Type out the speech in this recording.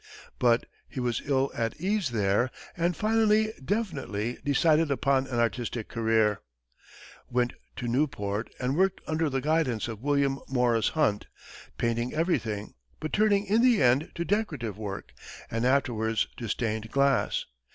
But he was ill at ease there, and finally definitely decided upon an artistic career, went to Newport and worked under the guidance of William Morris Hunt, painting everything, but turning in the end to decorative work, and afterwards to stained glass.